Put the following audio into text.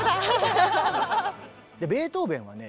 ベートーベンはね